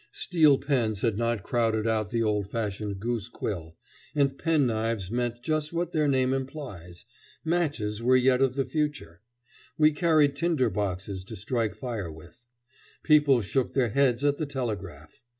Steel pens had not crowded out the old fashioned goose quill, and pen knives meant just what their name implies. Matches were yet of the future. We carried tinder boxes to strike fire with. People shook their heads at the telegraph.